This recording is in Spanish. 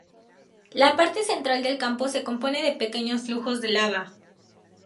La parte central del campo se compone de pequeños flujos de lava.